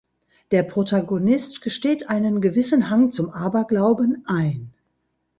Der Protagonist gesteht einen gewissen Hang zum Aberglauben ein.